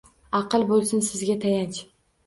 Аql boʼlsin sizga tayanch